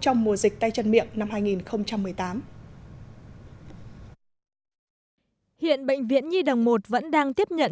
trong mùa dịch tay chân miệng năm hai nghìn một mươi tám hiện bệnh viện nhi đồng một vẫn đang tiếp nhận